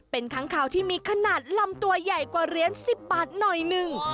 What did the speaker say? เป็นค้างคาวที่มีขนาดลำตัวใหญ่กว่าเหรียญ๑๐บาทหน่อยหนึ่ง